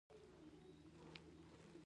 د غواګانو د شیدو ماشین شته؟